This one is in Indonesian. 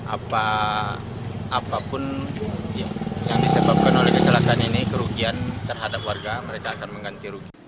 apapun yang disebabkan oleh kecelakaan ini kerugian terhadap warga mereka akan mengganti rugi